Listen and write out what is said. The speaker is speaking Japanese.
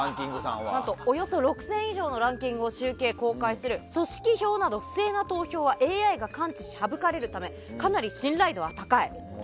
およそ６０００以上のランキングを集計して組織票など不正な投票はＡＩが感知し省かれるためかなり信頼度は高い。